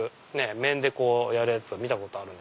面でやるやつは見たことある。